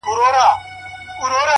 o چي له تا مخ واړوي تا وویني ـ